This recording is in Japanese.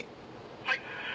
はい。